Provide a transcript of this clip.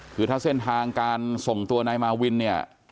คือถ้าเส้นทางการส่งตัวนายมาวินเนี่ย